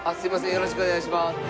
よろしくお願いします。